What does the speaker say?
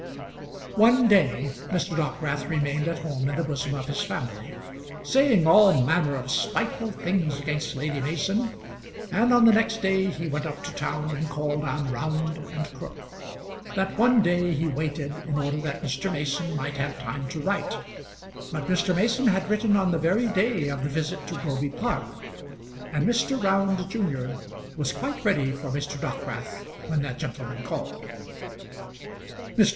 One day Mr. Dockwrath remained at home in the bosom of his family, saying all manner of spiteful things against Lady Mason, and on the next day he went up to town and called on Round and Crook. That one day he waited in order that Mr. Mason might have time to write; but Mr. Mason had written on the very day of the visit to Groby Park, and Mr. Round junior was quite ready for Mr. Dockwrath when that gentleman called. Mr.